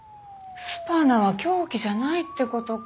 スパナは凶器じゃないって事か。